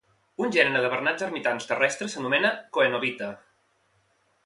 Un gènere de bernats ermitans terrestres s'anomena Coenobita.